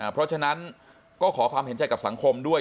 เพราะฉะนั้นก็ขอความเห็นใจกับสังคมด้วย